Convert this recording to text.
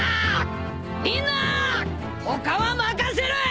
みんな他は任せる！